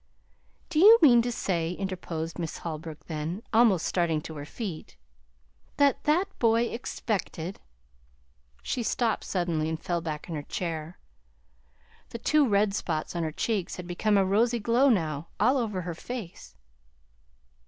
"Do you mean to say," interposed Miss Holbrook then, almost starting to her feet, "that that boy expected " She stopped suddenly, and fell back in her chair. The two red spots on her cheeks had become a rosy glow now, all over her face.